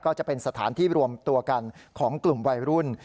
ก็จะเป็นสถานที่รวมตัวกันของกลุ่มวัยรุ่น